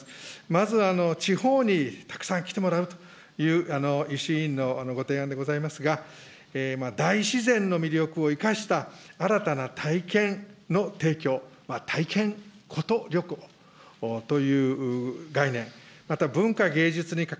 まず地方にたくさん来てもらうという、石井委員のご提案でございますが、大自然の魅力を生かした新たな体験の提供、体験、コト旅行という概念、また文化芸術にか